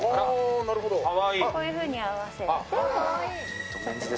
こういうふうに合わせて。